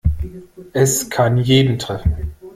Es kann jeden treffen.